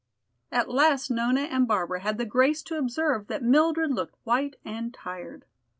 At last Nona and Barbara had the grace to observe that Mildred looked white and tired.